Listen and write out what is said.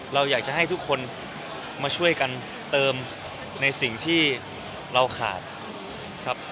เราอยากจะให้ทุกคนมาช่วยกันเติมในสิ่งที่เราขาดครับ